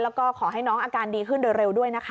แล้วก็ขอให้น้องอาการดีขึ้นโดยเร็วด้วยนะคะ